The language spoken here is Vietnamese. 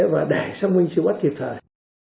và để xác minh truy nãn kịp thời